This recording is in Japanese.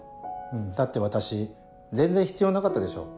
だって私全然必要なかったでしょ。